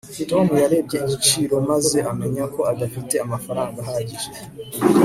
tom yarebye igiciro maze amenya ko adafite amafaranga ahagije